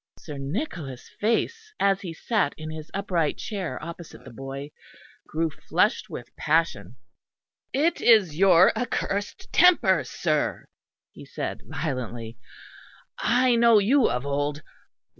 Sir Nicholas' face, as he sat in his upright chair opposite the boy, grew flushed with passion. "It is your accursed temper, sir," he said violently. "I know you of old.